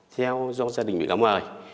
theo do gia đình bị gắn mời